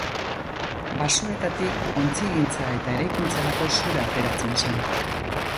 Basoetatik ontzigintza eta eraikuntzarako zura ateratzen zen.